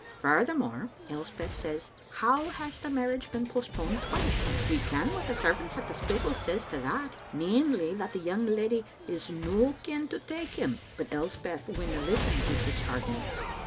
Furthermore,* Elspeth says, *how has the marriage been postponed twice?* We ken what the servants at the Spittal says to that, namely, that the young lady is no keen to take him, but Elspeth winna listen to sic arguments.